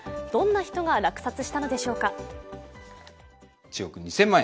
どんな人が落札したのでしょうか。